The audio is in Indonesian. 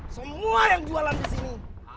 semua yang jualan disini